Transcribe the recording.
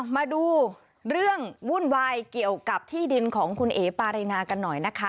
มาดูเรื่องวุ่นวายเกี่ยวกับที่ดินของคุณเอ๋ปารินากันหน่อยนะคะ